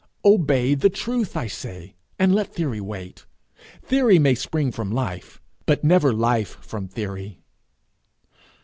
Obey the truth, I say, and let theory wait. Theory may spring from life, but never life from theory.